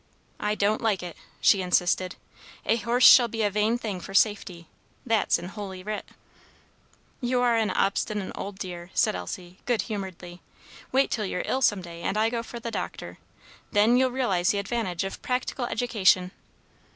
"I don't like it!" she insisted. "'A horse shall be a vain thing for safety' that's in Holy Writ." "You are an obstinate old dear," said Elsie, good humoredly. "Wait till you're ill some day, and I go for the doctor. Then you'll realize the advantage of practical education.